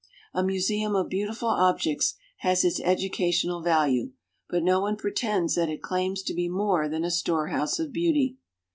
A museum of beautiful objects has its educational value, but no one pretends that it claims to be more than a storehouse of beauty.